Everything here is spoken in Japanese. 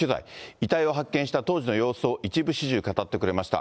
遺体を発見した当時の様子を一部始終語ってくれました。